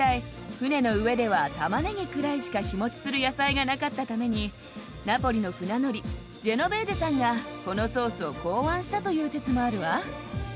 船の上ではたまねぎくらいしか日もちする野菜がなかったためにナポリの船乗りジェノベーゼさんがこのソースを考案したという説もあるわ。